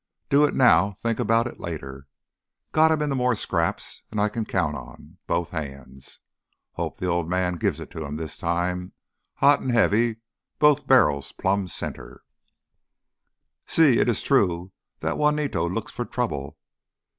Do it now, think 'bout it later. Got him into more scrapes 'n I can count me on both hands. Hope th' Old Man gives it to him this time, hot an' heavy, both barrels plumb center!" "Sí, it is true that Juanito looks for trouble."